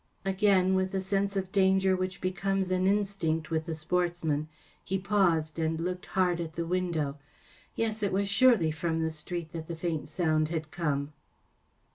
‚ÄĚ Again, with the sense of danger which becomes an instinct with the sportsman, he paused and looked hard at the window. Yes, it was surely from the street that the faint sound had come.